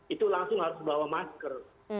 itu langsung harus bawa masker